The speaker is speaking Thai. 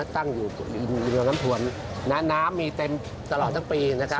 ตั้งอยู่น้ำถวนน้ำมีเต็มตลอดตั้งปีนะครับ